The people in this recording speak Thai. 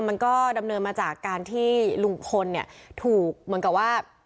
มันก็ดำเนินมาจากการที่ลุงพลเนี่ยถูกเหมือนกับว่า